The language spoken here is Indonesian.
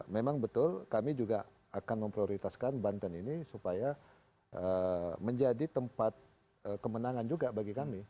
memang betul kami juga akan memprioritaskan banten ini supaya menjadi tempat kemenangan juga bagi kami